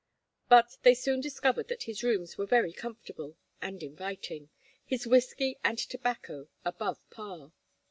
But they soon discovered that his rooms were very comfortable and inviting, his whiskey and tobacco "above par."